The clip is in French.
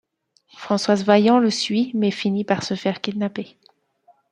Françoise Vaillant le suit mais finit par se faire kidnapper.